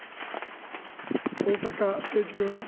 逢坂誠二君。